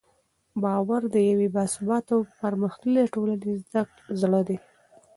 باور د یوې باثباته او پرمختللې ټولنې زړه دی.